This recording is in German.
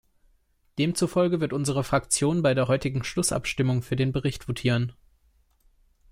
Demzufolge wird unsere Fraktion bei der heutigen Schlussabstimmung für den Bericht votieren.